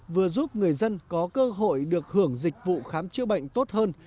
vừa giúp người dân có cơ hội được hưởng dịch vụ khám chữa bệnh tốt hơn